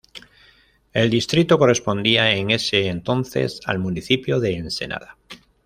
El distrito correspondía en ese entonces al municipio de Ensenada.